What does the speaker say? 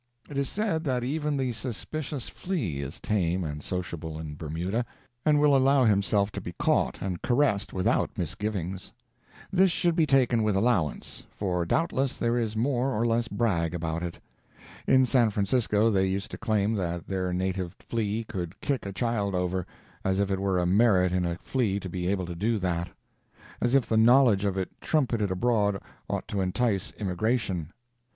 It is said that even the suspicious flea is tame and sociable in Bermuda, and will allow himself to be caught and caressed without misgivings. This should be taken with allowance, for doubtless there is more or less brag about it. In San Francisco they used to claim that their native flea could kick a child over, as if it were a merit in a flea to be able to do that; as if the knowledge of it trumpeted abroad ought to entice immigration.